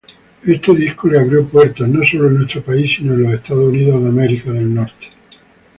Este disco le abrió puertas no sólo en nuestro país, sino en Estados Unidos.